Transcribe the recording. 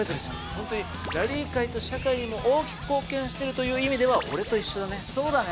ホントにラリー界と社会にも大きく貢献してるという意味では俺と一緒だね。